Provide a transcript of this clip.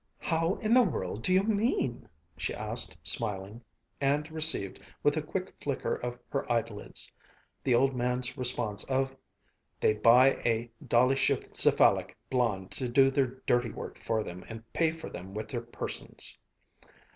"How in the world do you mean?" she asked, smiling, and received, with a quick flicker of her eyelids, the old man's response of, "They buy a dolichocephalic blond to do their dirty work for them and pay for him with their persons."